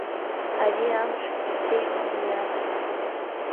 Ари амшгьы цеит иниас…